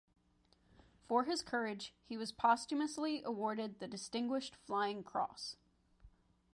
For his courage, he was posthumously awarded the Distinguished Flying Cross.